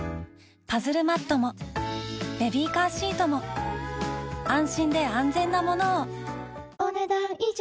パズルマットもベビーカーシートも安心で安全なものをお、ねだん以上。